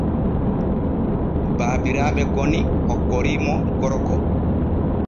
Babiraaɓe goni hokkoriimo gorko.